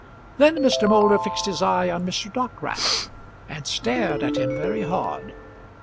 Then Mr. Moulder fixed his eyes on Mr. Dockwrath, and stared at him very hard.